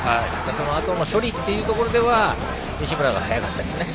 そのあとの処理というところでは西村が早かったですね。